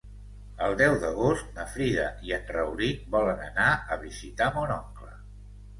El deu d'agost na Frida i en Rauric volen anar a visitar mon oncle.